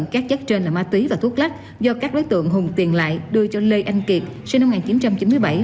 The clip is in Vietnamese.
các đối tượng hùng tiền lại đưa cho lê anh kiệt sinh năm một nghìn chín trăm chín mươi bảy